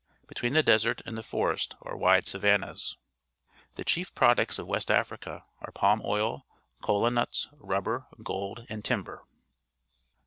Between the desert and the forest are wide savannas. The cluef products of West Africa are palm oil, cola nuts, rubber, gold, and timber.